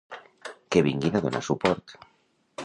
Que vinguin a donar suport.